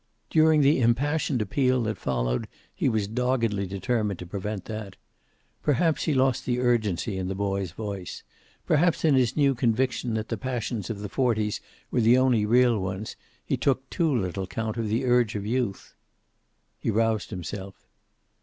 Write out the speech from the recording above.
During the impassioned appeal that followed he was doggedly determined to prevent that. Perhaps he lost the urgency in the boy's voice. Perhaps in his new conviction that the passions of the forties were the only real ones, he took too little count of the urge of youth. He roused himself.